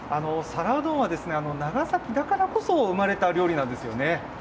皿うどんは、長崎だからこそ、生まれた料理なんですよね。